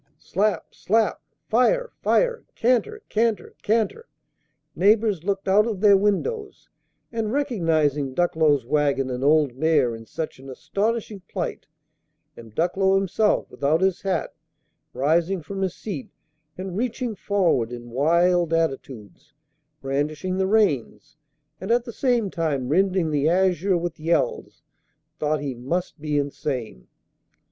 Slap! slap! "Fire! fire!" Canter, canter, canter! Neighbors looked out of their windows, and, recognizing Ducklow's wagon and old mare in such an astonishing plight, and Ducklow himself, without his hat, rising from his seat and reaching forward in wild attitudes, brandishing the reins, and at the same time rending the azure with yells, thought he must be insane.